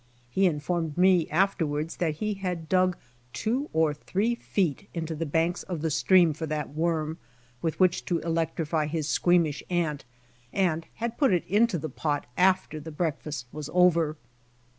He informed me afterwards that he had dug two or three feet into the banks of ths stream for that worm with which to electrify his squeamish aunt and had put it into the pot after the breakfast was over.